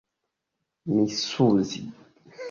misuzi